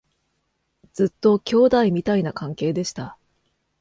ずっと兄弟みたいな関係でした